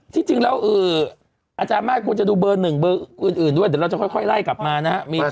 ที่จริงแล้วอาจารย์มากควรจะดูเบอร์หนึ่งเบอร์อื่นด้วยเดี๋ยวเราจะค่อยไล่กลับมานะครับ